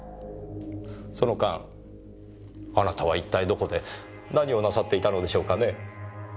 その間あなたは一体どこで何をなさっていたのでしょうかね？